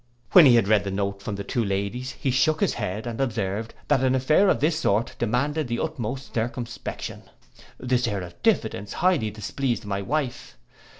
When he read the note from the two ladies, he shook his head, and observed, that an affair of this sort demanded the utmost circumspection.—This air of diffidence highly displeased my wife.